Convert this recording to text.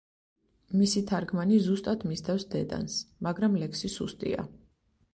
მისი თარგმანი ზუსტად მისდევს დედანს, მაგრამ ლექსი სუსტია.